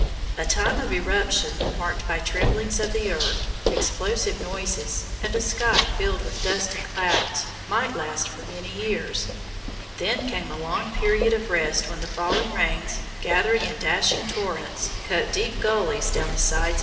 A time of eruption, marked by tremblings of the earth, explosive noises, and a sky filled with dust and clouds, might last for many years. Then came a long period of rest when the falling rains, gathering in dashing torrents, cut deep gullies down the sides of the mountain.